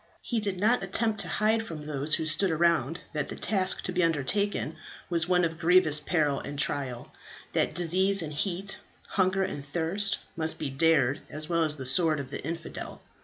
He did not attempt to hide from those who stood around that the task to be undertaken was one of grievous peril and trial; that disease and heat, hunger and thirst, must be dared, as well as the sword of the infidel.